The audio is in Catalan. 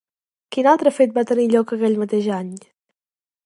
Quin altre fet va tenir lloc aquell mateix any?